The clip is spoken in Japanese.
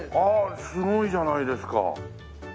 すごいじゃないですか。